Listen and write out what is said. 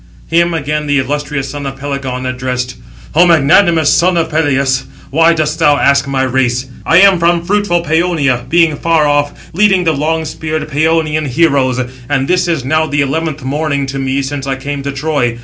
Him again the illustrious son of Pelegon addressed: "O magnanimous son of Peleus, why dost thou ask my race? I am from fruitful Pæonia, being far off, leading the long speared Pæonian heroes; and this is now the eleventh morning to me since I came to Troy.